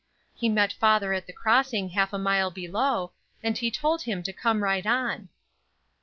He met father at the crossing half a mile below, and he told him to come right on."